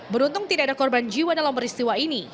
beruntung tidak ada korban jiwa dalam peristiwa ini